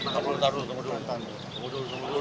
kamu taruh kamu taruh